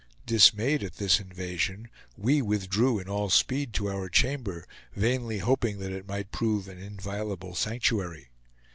Dismayed at this invasion, we withdrew in all speed to our chamber, vainly hoping that it might prove an inviolable sanctuary.